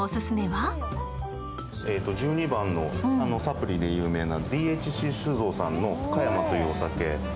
１２番のサプリで有名なＤＨＣ酒造さんの嘉山というお酒。